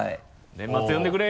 年末呼んでくれ！